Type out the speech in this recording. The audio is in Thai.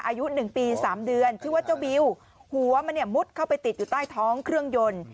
อายุ๑ปี๓เดือนชื่อว่าเจ้าบิวหัวมันเนี่ยมุดเข้าไปติดอยู่ใต้ท้องเครื่องยนต์